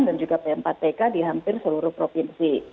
dan juga pempat tk di hampir seluruh provinsi